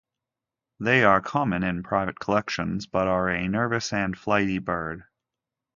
They are common in private collections but are a nervous and flighty bird.